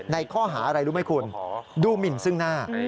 ในข้อหาอะไรรู้ไหมคุณดูหมินซึ่งหน้า